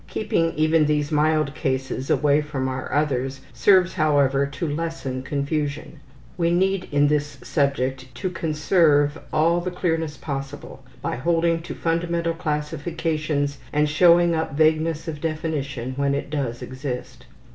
Keeping even these mild cases away from our others serves, however, to lessen confusion; we need in this subject to conserve all the clearness possible by holding to fundamental classifications and showing up vagueness of definition where it does exist.